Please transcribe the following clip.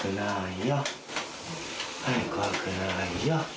はい怖くないよ。